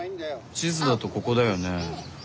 地図だとここだよね？